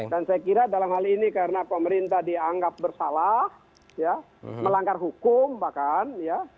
dan saya kira dalam hal ini karena pemerintah dianggap bersalah melanggar hukum bahkan